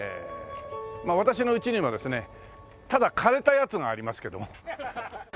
私の家にもですねただ枯れたやつがありますけども。